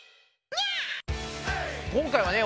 今回はね